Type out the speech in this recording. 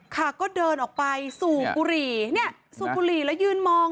ค่ะก็เดินออกไปสูบบุหรี่เนี่ยสูบบุหรี่แล้วยืนมอง